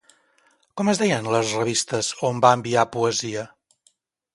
Com es deien les revistes on va enviar poesia?